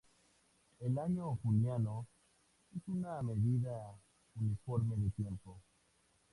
El "año juliano" es una medida uniforme de tiempo.